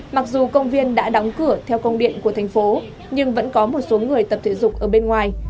mặc dù công viên đã đóng cửa theo công điện của thành phố nhưng vẫn có một số người tập thể dục ở bên ngoài